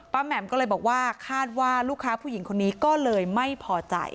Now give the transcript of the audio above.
แหม่มก็เลยบอกว่าคาดว่าลูกค้าผู้หญิงคนนี้ก็เลยไม่พอใจ